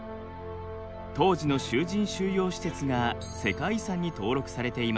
当時の囚人収容施設が世界遺産に登録されています。